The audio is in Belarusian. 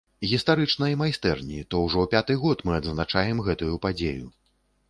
Гістарычнай майстэрні, то ўжо пяты год мы адзначаем гэтую падзею.